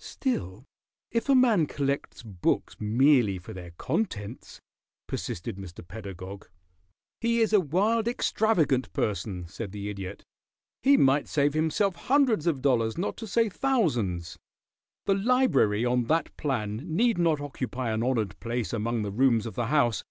"Still, if a man collects books merely for their contents " persisted Mr. Pedagog. "He is a wild, extravagant person," said the Idiot. "He might save himself hundreds of dollars, not to say thousands. The library on that plan need not occupy an honored place among the rooms of the house.